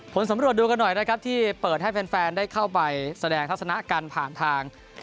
ผลสำรวจดูกันหน่อยนะครับที่เปิดให้แฟนได้เข้าไปแสดงทัศนะกันผ่านทาง